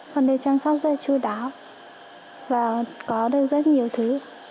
con được chăm sóc rất chú đáo và có được rất nhiều thứ